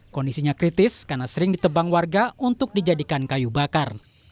kondisinya kritis karena sering ditebang warga untuk dijadikan kayu bakar